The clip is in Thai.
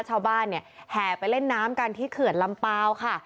ชาวบ้านเนี่ยแห่ไปเล่นน้ำกันที่เขื่อนลำเปล่าค่ะ